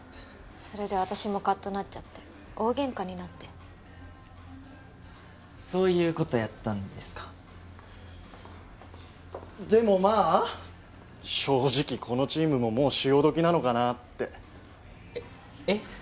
それで私もカッとなっちゃって大げんかになってそういうことやったんですかでもまぁ正直このチームももう潮時なのかなってえっ？